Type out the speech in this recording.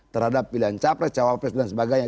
terhadap pilihan capres cawapres dan sebagainya